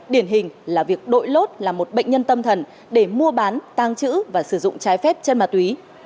điển hình là việc đội lốt là một bệnh nhân tâm thần để mua bán tăng trữ và sử dụng trái phép chân ma túy